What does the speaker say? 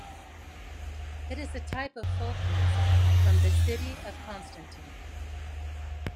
It is a type of folk music from the city of Constantine.